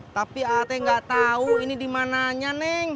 tapi ate gak tau ini dimananya